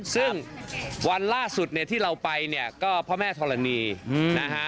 ซึ่งวันล่าสุดเนี่ยที่เราไปเนี่ยก็พระแม่ธรณีนะฮะ